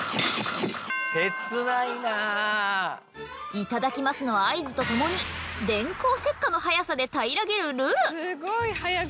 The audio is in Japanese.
いただきますの合図とともに電光石火の速さでたいらげるルル。